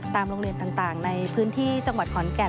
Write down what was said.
โรงเรียนต่างในพื้นที่จังหวัดขอนแก่น